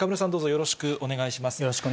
よろしくお願いします。